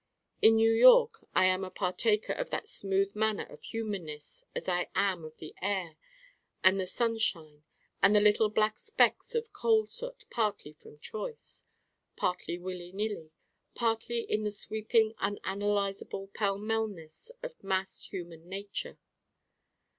In New York I am a partaker of that smooth manna of humanness as I am of the air and the sunshine and the little black specks of coal soot: partly from choice, partly willy nilly, partly in the sweeping unanalyzable pell mell ness of massed human nature.